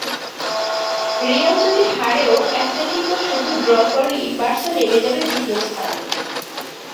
Real যদি হারেও Atletico শুধু ড্র করলেই বার্সা নেমে যাবে দ্বিতীয় স্থানে।